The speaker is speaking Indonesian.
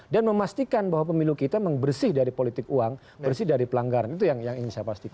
memastikan bahwa pemilu kita bersih dari politik uang bersih dari pelanggaran itu yang ingin saya pastikan